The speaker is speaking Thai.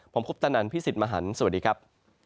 ผมคุปตะนันพี่สิทธิ์มหันฯสวัสดีครับ